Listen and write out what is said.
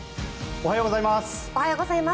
おはようございます。